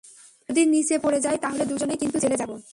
যদি নিচে পড়ে যায়, তাহলে দুজনেই কিন্তু জেলে যাব।